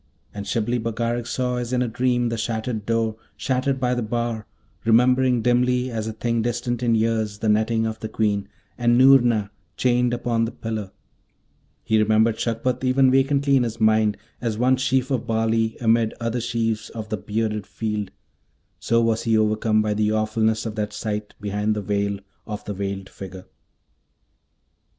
And Shibli Bagarag saw as in a dream the shattered door, shattered by the bar, remembering dimly as a thing distant in years the netting of the Queen, and Noorna chained upon the pillar; he remembered Shagpat even vacantly in his mind, as one sheaf of barley amid other sheaves of the bearded field, so was he overcome by the awfulness of that sight behind the veil of the Veiled Figure!